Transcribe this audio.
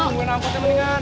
bisa gue nampak ya mendingan